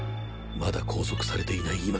まだ拘束されていない